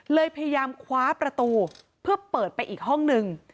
พยายามคว้าประตูเพื่อเปิดไปอีกห้องนึง